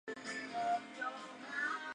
Además se había declarado abiertamente lesbiana.